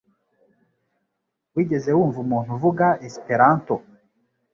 Wigeze wumva umuntu uvuga Esperanto